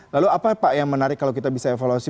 lalu apa pak yang menarik kalau kita bisa evaluasi